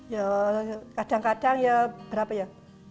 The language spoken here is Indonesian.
ya kadang kadang ya berapa ya